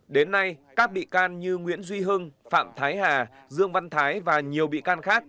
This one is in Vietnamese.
đến nay các bị can như nguyễn duy hưng phạm thái hà dương văn thái và nhiều bị can khác